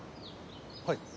はい。